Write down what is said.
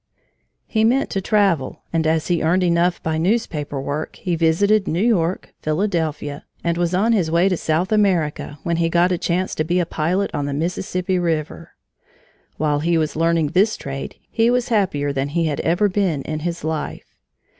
He meant to travel, and as he earned enough by newspaper work, he visited New York, Philadelphia, and was on his way to South America when he got a chance to be a pilot on the Mississippi River. While he was learning this trade, he was happier than he had ever been in his life.